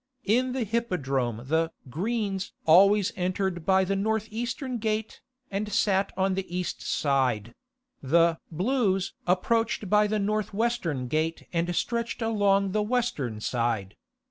In the Hippodrome the "Greens" always entered by the north eastern gate, and sat on the east side; the "Blues" approached by the north western gate and stretched along the western side.